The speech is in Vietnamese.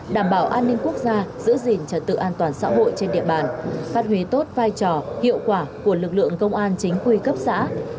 đảm bảo an ninh quốc gia giữ gìn trật tự an toàn xã hội trên địa bàn phát huy tốt vai trò hiệu quả của lực lượng công an chính quy cấp xã